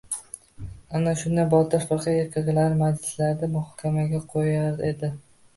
Ana shunda, Botir firqa erkaklarni majlislarda muhokamaga qo‘yar edi.